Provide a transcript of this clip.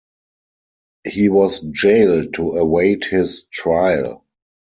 He was jailed to await his trial.